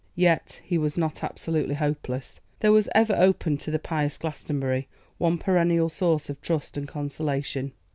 Yet he was not absolutely hopeless. There was ever open to the pious Glastonbury one perennial source of trust and consolation.